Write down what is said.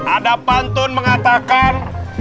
ada pantun mengatakan